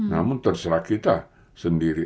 namun terserah kita sendiri